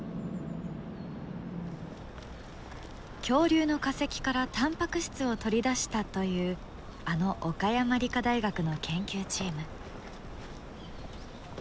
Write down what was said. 恐竜の化石からタンパク質を取り出したというあの岡山理科大学の研究チーム。